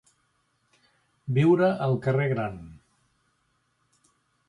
Viure al carrer Gran.